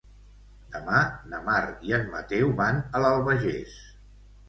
Demà na Mar i en Mateu van a l'Albagés.